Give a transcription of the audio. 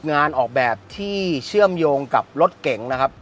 งานออกแบบที่เชื่อมโยงกับรถเก่งนะครับ